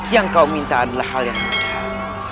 yang kau minta adalah hal yang benar